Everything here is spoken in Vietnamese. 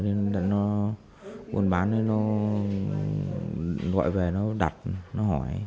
nên nó buồn bán nó gọi về nó đặt nó hỏi